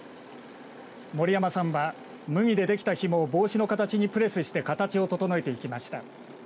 森山さんは麦でできたひもを帽子の形にプレスして形を整えていきました。